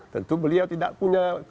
tentu beliau tidak punya